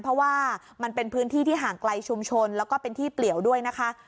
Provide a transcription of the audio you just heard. เพราะว่ามันเป็นพื้นที่ที่ห่างไกลชุมชนแล้วก็เป็นที่เปลี่ยวด้วยนะคะ